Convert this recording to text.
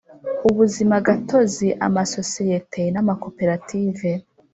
Ubuzima gatozi amasosiyete n amakoperative